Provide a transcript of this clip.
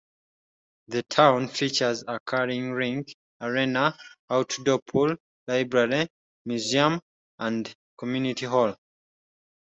The town features a curling rink, arena, outdoor pool, library, museum and community hall.